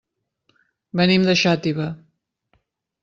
Venim de Xàtiva.